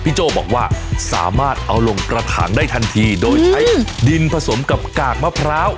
โจ้บอกว่าสามารถเอาลงกระถางได้ทันทีโดยใช้ดินผสมกับกากมะพร้าว